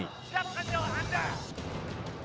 siapkan jalan anda